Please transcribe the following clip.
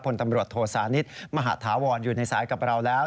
ผลตำรวจโทษานิทมหาธาวรอยู่ในสายกับเราแล้ว